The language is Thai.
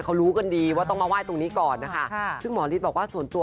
เขารู้กันดีว่าต้องมาไหว้ตรงนี้ก่อนนะคะซึ่งหมอฤทธิ์บอกว่าส่วนตัว